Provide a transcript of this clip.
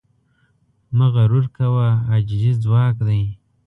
مه غرور کوه، عاجزي ځواک دی.